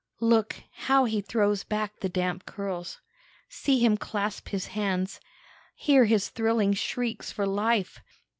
Look, how he throws back the damp curls! See him clasp his hands! Hear his thrilling shrieks for life!